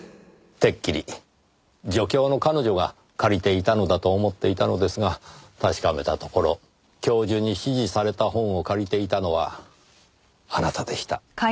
てっきり助教の彼女が借りていたのだと思っていたのですが確かめたところ教授に指示された本を借りていたのはあなたでした。